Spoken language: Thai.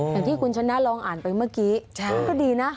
อย่างที่คุณชนะลองอ่านไปเมื่อกี้ก็ดีนะ